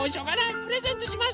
プレゼントします。